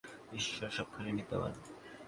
ঈশ্বর সবখানেই বিদ্যমান।